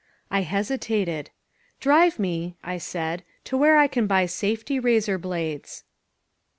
I hesitated. "Drive me," I said, "to where I can buy safety razor blades."